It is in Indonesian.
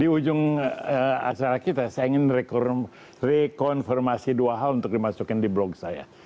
di ujung acara kita saya ingin rekonfirmasi dua hal untuk dimasukin di blog saya